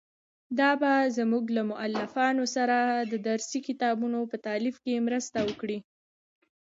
دا به زموږ له مؤلفانو سره د درسي کتابونو په تالیف کې مرسته وکړي.